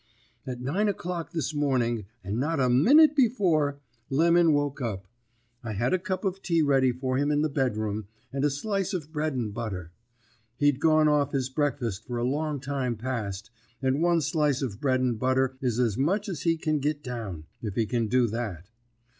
"At nine o'clock this morning, and not a minute before, Lemon woke up. I had a cup of tea ready for him in the bedroom, and a slice of bread and butter. He's gone off his breakfast for a long time past, and one slice of bread and butter is as much as he can git down, if he can do that.